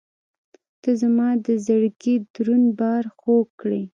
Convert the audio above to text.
• ته زما د زړګي دروند بار خوږ کړې.